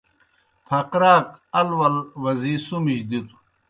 پھقراک ال ول وزی سُمِجیْ دِتوْ۔